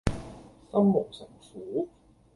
心無城府￼